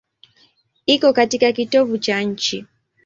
Iko katika kitovu cha nchi.